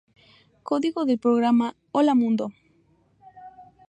Código del programa ¡Hola Mundo!